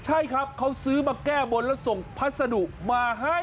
ใช่ครับเขาซื้อมาแก้บนแล้วส่งพัสดุมาให้